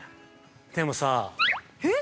でもさぁ◆ええっ！？